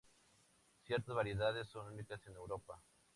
Ciertas variedades son únicas en Europa.